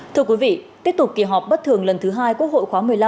thưa quý vị tiếp tục kỳ họp bất thường lần thứ hai quốc hội khóa một mươi năm